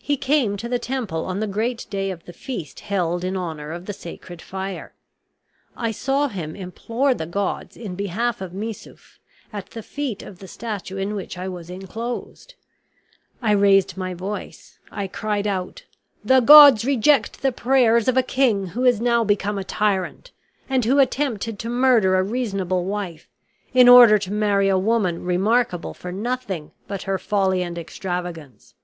He came to the temple on the great day of the feast held in honor of the sacred fire. I saw him implore the gods in behalf of Missouf, at the feet of the statue in which I was inclosed. I raised my voice, I cried out, 'The gods reject the prayers of a king who is now become a tyrant, and who attempted to murder a reasonable wife, in order to marry a woman remarkable for nothing but her folly and extravagance.'